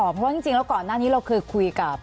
เพราะว่าจริงแล้วก่อนหน้านี้เราเคยคุยกับ